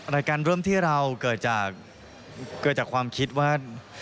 เริ่มที่เราเกิดจากความคิดว่า